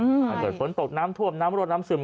ถ้าเกิดฝนตกน้ำท่วมน้ำรวดน้ำซึม